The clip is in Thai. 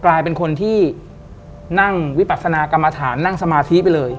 กลายเป็นคนที่นั่งวิปัศนากรรมฐานนั่งสมาธิไปเลย